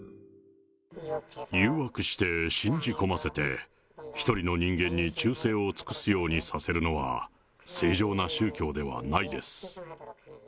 誘惑して信じ込ませて、１人の人間に忠誠を尽くすようにさせるのは、正常な宗教ではないです。